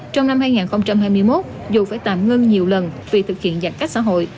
trong năm hai nghìn hai mươi một dù phải tạm ngưng nhiều lần vì thực hiện giãn cách xã hội